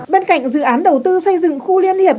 bên cạnh dự án đầu tư xây dựng khu liên hiệp